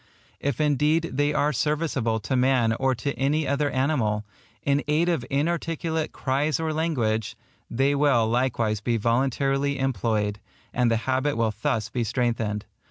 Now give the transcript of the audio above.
If indeed they are serviceable to man or to any other animal, in aid of inarticulate cries or language, they will likewise be voluntarily employed, and the habit will thus be strengthened.